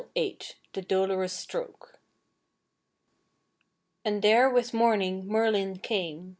VIII Ol)e iDolorous Stroke "And there with morning Merlin came.